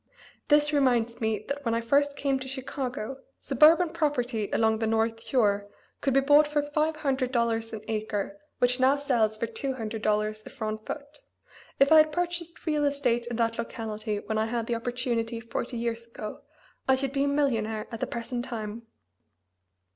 This reminds me that when I first came to Chicago suburban property along the North Shore could be bought for five hundred dollars an acre which now sells for two hundred dollars a front foot; if I had purchased real estate in that locality when I had the opportunity forty years ago I should be a millionnaire at the present time.